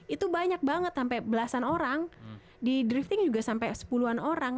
itu banyak banget sampai belasan orang di drifting juga sampai sepuluhan orang